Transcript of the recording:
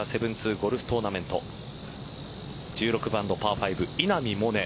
ゴルフトーナメント１６番のパー５、稲見萌寧。